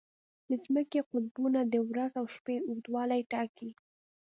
د ځمکې قطبونه د ورځ او شپه اوږدوالی ټاکي.